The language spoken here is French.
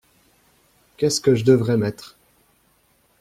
Qu’est-ce que je devrais mettre ?